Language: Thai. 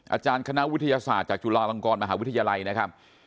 อาจารย์คณะวิทยาศาสตร์จากจุฬาลงกรมหาวิทยาลัยนะครับ